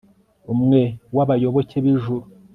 umwe w'abayoboke b'ijuru